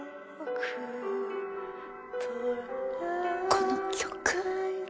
この曲？